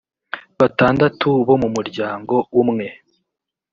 batandatu bo mu muryango umwe